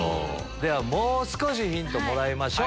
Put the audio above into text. ではもう少しヒントもらいましょう。